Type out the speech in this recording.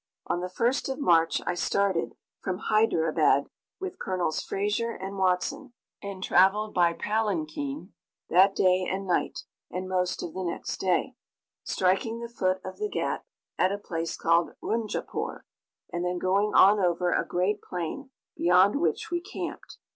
On the 1st of March I started from Hyderabad with Colonels Fraser and Watson, and traveled by palanquin that day and night, and most of the next day, striking the foot of the G[=a]t at a place called Rungapore, and then going on over a great plain, beyond which we camped.